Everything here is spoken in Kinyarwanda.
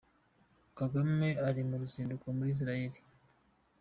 Kagame ari mu ruzinduko muri Israel.